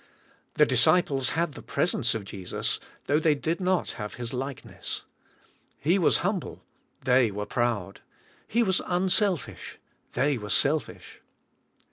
The disciples h?idth.e presejice of Jesus though they didnot have His likeness. He was humble, they were proud. He was unselfish, the} were selfish.